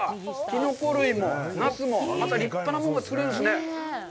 キノコ類もまた立派なものが作れるんですね。